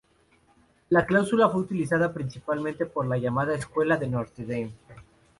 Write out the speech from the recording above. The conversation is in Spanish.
La cláusula fue utilizada principalmente por la llamada Escuela de Notre Dame.